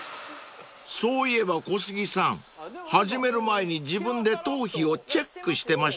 ［そういえば小杉さん始める前に自分で頭皮をチェックしてましたよね］